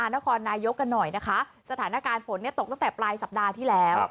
นครนายกกันหน่อยนะคะสถานการณ์ฝนตกตั้งแต่ปลายสัปดาห์ที่แล้ว